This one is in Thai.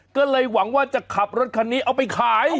ก็เลยหวังว่าจะขับรถคันนี้เอาไปขาย